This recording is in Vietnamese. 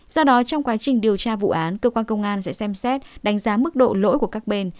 do đó trong quá trình điều tra vụ án cơ quan công an sẽ xem xét đánh giá mức độ lỗi của các bên